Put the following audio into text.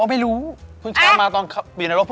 ไม่รู้เพิ่งช้างมาตอนปีนรก